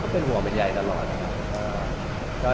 เป็นห่วงเป็นใยตลอดครับ